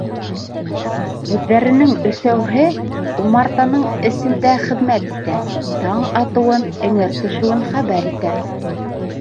Күҙҙәренең өсәүһе умартаның эсендә хеҙмәт итә, таң атыуын, эңер төшөүен хәбәр итә.